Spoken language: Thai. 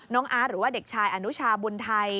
อาร์ตหรือว่าเด็กชายอนุชาบุญไทย